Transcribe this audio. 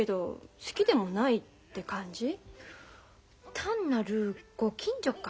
単なるご近所か。